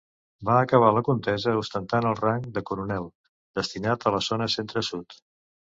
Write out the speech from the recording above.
Va acabar la contesa ostentant el rang de coronel, destinat en la zona Centre-Sud.